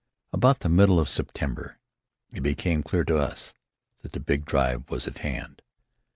About the middle of September it became clear to us that the big drive was at hand.